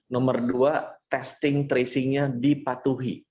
nomor dua testing tracing nya dipatuhi